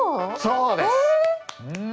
そうです！え！